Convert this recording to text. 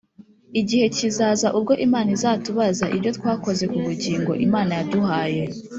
igihe kizaza ubwo Imana izatubaza ibyo twakoze ku bugingo Imana yaduhaye.